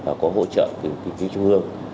và có hỗ trợ từ kỳ trung ương